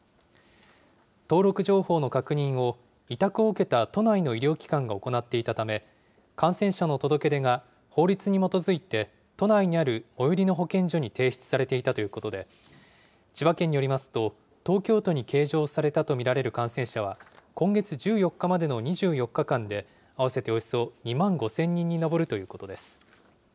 登録情報の確認を委託を受けた都内の医療機関が行っていたため、感染者の届け出が法律に基づいて都内にある最寄りの保健所に提出されていたということで、千葉県によりますと、東京都に計上されたとみられる感染者は、今月１４日までの２４日間で合わせておよそ２万５０００人に上るということです。